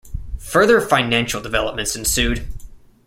Further financial developments ensued.